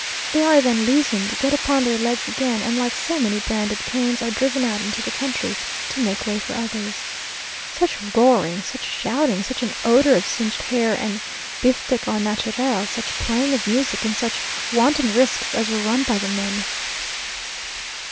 They are then loosened, get upon their legs again, and like so many branded Cains, are driven out into the country, to make way for others. Such roaring, such shouting, such an odour of singed hair and biftek au naturel, such playing of music, and such wanton risks as were ran by the men!